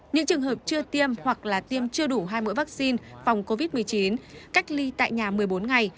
những trường hợp chưa tiêm hoặc là tiêm chưa đủ hai mũi vaccine phòng covid một mươi chín cách ly tại nhà một mươi bốn ngày